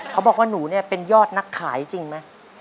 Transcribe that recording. เขาบอกว่าหนูเนี่ยเป็นยอดนักขายจริงไหม